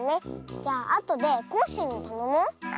じゃあとでコッシーにたのもう。